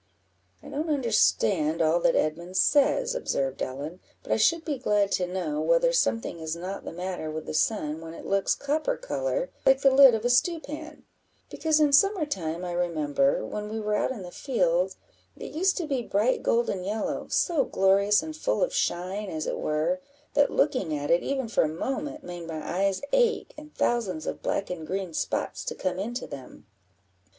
"I don't understand all that Edmund says," observed Ellen, "but I should be glad to know whether something is not the matter with the sun when it looks copper colour like the lid of a stewpan; because in summer time, I remember, when we were out in the fields, it used to be bright golden yellow, so glorious and full of shine, as it were, that looking at it, even for a moment, made my eyes ache, and thousands of black and green spots to come into them."